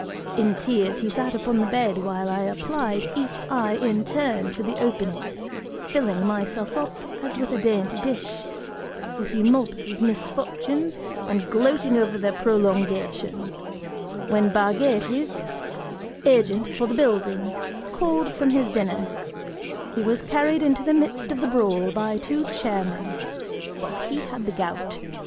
In tears, he sat upon the bed, while I applied each eye in turn, to the opening, filling myself up as with a dainty dish, with Eumolpus' misfortunes, and gloating over their prolongation, when Bargates, agent for the building, called from his dinner, was carried into the midst of the brawl by two chair men, for he had the gout.